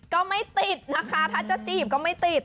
ก็ไม่ติดนะคะถ้าจะจีบก็ไม่ติด